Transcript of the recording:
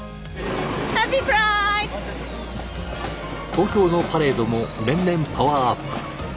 東京のパレードも年々パワーアップ。